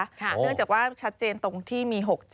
เนื่องจากว่าชัดเจนตรงที่มี๖๗